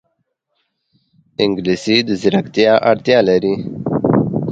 انګلیسي د ځیرکتیا اړتیا لري